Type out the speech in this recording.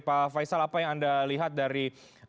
pak faisal apa yang anda lihat dari